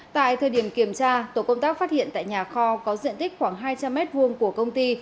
tại thời điểm kiểm tra tổ công tác phát hiện tại nhà kho có diện tích khoảng hai trăm linh m hai của công ty